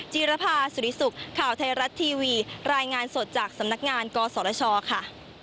จีรภาสุริสุขข่าวไทยรัฐทีวีรายงานสดจากสำนักงานกศชค่ะ